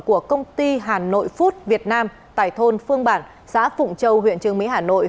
của công ty hà nội food việt nam tại thôn phương bản xã phụng châu huyện trường mỹ hà nội